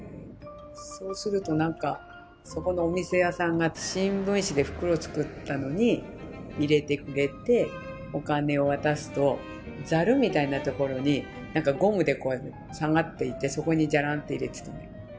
そうするとなんかそこのお店屋さんが新聞紙で袋作ったのに入れてくれてお金を渡すとザルみたいなところにゴムで下がっていてそこにジャランって入れてた。